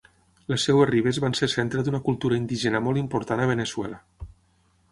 Les seves ribes van ser centre d'una cultura indígena molt important a Veneçuela.